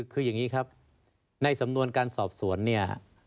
คืออย่างนี้ครับในสำนวนการสอบสวนเนี่ย